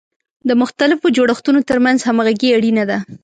د مختلفو جوړښتونو ترمنځ همغږي اړینه ده.